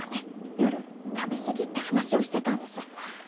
夜食べすぎって話をしてたんです。